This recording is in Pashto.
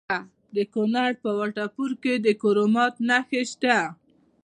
د کونړ په وټه پور کې د کرومایټ نښې شته.